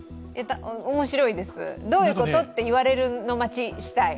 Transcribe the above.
面白いです、どういうこと？って言われるの待ちしたい。